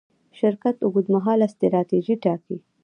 شرکت اوږدمهاله ستراتیژي ټاکي.